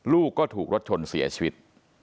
ลูกก็ถูกรถชนเสียชีวิต